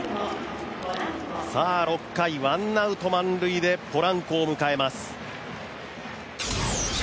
６回、ワンアウト満塁でポランコを迎えます。